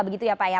begitu ya pak ya